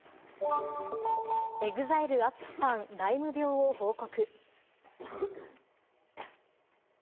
ＥＸＩＬＥ・ＡＴＳＵＳＨＩさん、ライム病を報告。